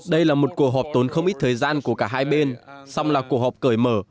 đây là một cuộc họp tốn không ít thời gian của cả hai bên song là cuộc họp cởi mở